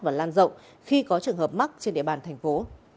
và lan rộng khi có trường hợp mắc trên địa bàn thành phố